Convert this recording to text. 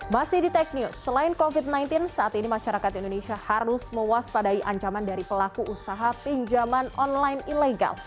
masih di tech news selain covid sembilan belas saat ini masyarakat indonesia harus mewaspadai ancaman dari pelaku usaha pinjaman online ilegal